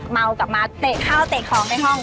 เมากลับมาเตะข้าวเตะของในห้อง